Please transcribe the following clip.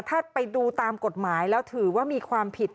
ถ้าไปดูตามกฎหมายแล้วถือว่ามีความผิด